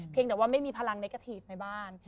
เพียงแต่ว่าไม่มีพลังเนกาทีฟในบ้าน